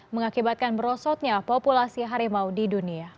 mengakibatkan berosotnya populasi harimau di dunia